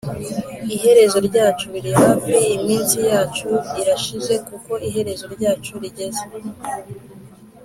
Iherezo ryacu riri hafi, Iminsi yacu irashize, Kuko iherezo ryacu rigeze.